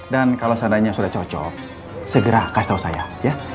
dan kalau seandainya sudah cocok segera kasih tau saya ya